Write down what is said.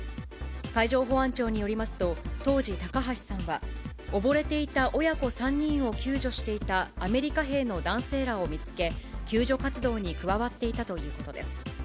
海上保安庁によりますと、当時、高橋さんは、溺れていた親子３人を救助していたアメリカ兵の男性らを見つけ、救助活動に加わっていたということです。